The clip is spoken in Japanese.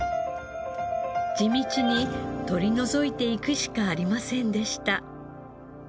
地道に取り除いていくしかありませんでした。